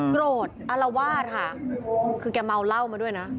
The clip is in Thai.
โกรธอารวาสค่ะคือแกเมาเหล้ามาด้วยนะ